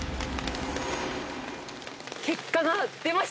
結果が出ました。